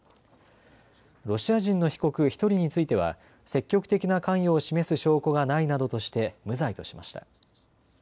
ロシア人の被告１人については積極的な関与を示す証拠がないなどとして無罪としました。